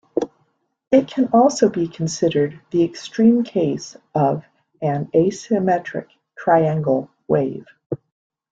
It can also be considered the extreme case of an asymmetric triangle wave.